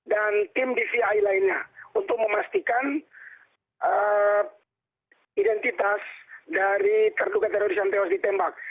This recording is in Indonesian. dengan inafis dan tim dci lainnya untuk memastikan identitas dari terduga teroris yang tewas ditembak